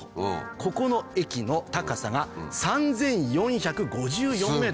ここの駅の高さが３４５４ｍ。